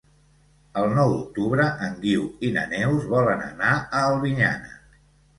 El nou d'octubre en Guiu i na Neus volen anar a Albinyana.